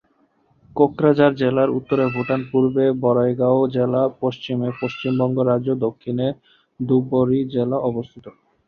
কোকড়াঝাড় জেলার উত্তরে ভুটান, পূর্বে বঙাইগাঁও জেলা, পশ্চিমে পশ্চিমবঙ্গ রাজ্য, দক্ষিণে ধুবড়ী জেলা অবস্থিত।